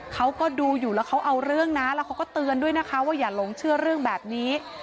เขาก็ดูอยู่แล้วเขาเอาเรื่องนะแล้วเขาก็เตือนด้วยนะคะว่าอย่าหลงเชื่อเรื่องแบบนี้